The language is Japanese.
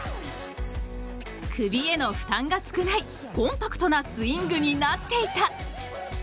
首への負担が少ないコンパクトなスイングになっていた。